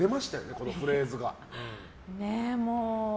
このフレーズが。